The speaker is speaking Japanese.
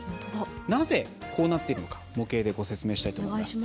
なぜこうなっているのか模型でご説明します。